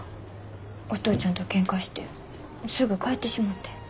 お父ちゃんとケンカしてすぐ帰ってしもて。